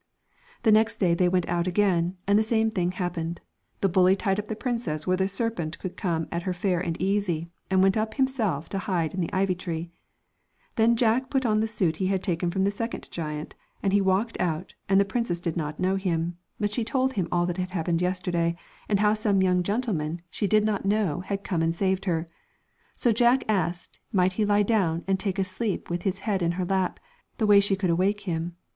The next day they went out again, and the same thing happened, the bully tied up the princess where the serpent could come at her fair and easy, and went up himself to hide in the ivy tree. Then Jack put on the suit he had taken from the second giant, and he walked out, and the princess did not know him, but she told him all that had happened yesterday, and how some young gentleman she did 220 not know had come and saved her. So Dreams • iii«i at h ave Jack asked might he he down and take a no Moral. sleep with his head in her lap, the way she could awake him.